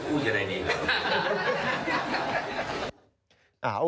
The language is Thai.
อู้จะได้ดี